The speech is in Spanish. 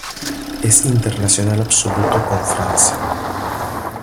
Es internacional absoluto con Francia.